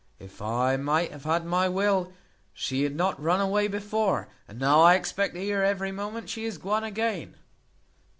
If I might have had my will, she had not run away before: and now I expect to hear every moment she is guone again.